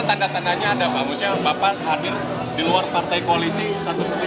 tapi intinya siap bergabung pak ya